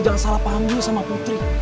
jangan salah paham dulu sama putri